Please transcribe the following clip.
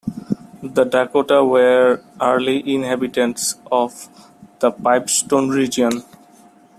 The Dakota were early inhabitants of the Pipestone Region.